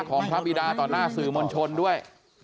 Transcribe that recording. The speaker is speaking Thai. ของพระบิดาต่อหน้าสื่อมวลชนด้วย